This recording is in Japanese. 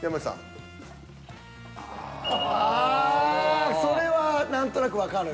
ああそれは何となくわかる。